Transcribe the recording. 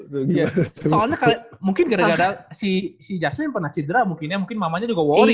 soalnya mungkin gara gara si si jasmin pernah cedera mungkin ya mungkin mamanya juga worry kali